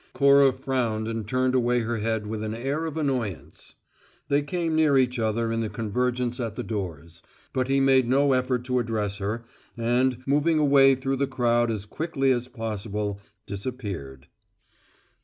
Cora frowned and turned away her head with an air of annoyance. They came near each other in the convergence at the doors; but he made no effort to address her, and, moving away through the crowd as quickly as possible, disappeared.